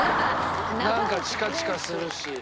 なんかチカチカするし。